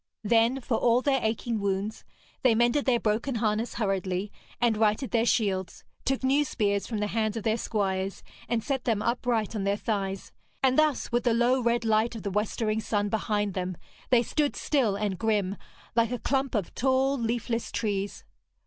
Then, for all their aching wounds, they mended their broken harness hurriedly, and righted their shields, took new spears from the hands of their squires, and set them upright on their thighs, and thus, with the low red light of the westering sun behind them, they stood still and grim, like a clump of tall leafless trees.